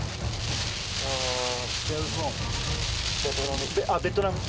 ああベトナム。